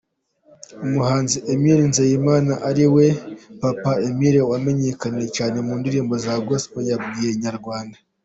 Umuhanzi Emile Nzeyimana ariwe Papa Emile wamenyekanye cyane mu ndirimbo za Gospel, yabwiye Inyarwanda.